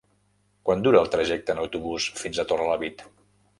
Quant dura el trajecte en autobús fins a Torrelavit?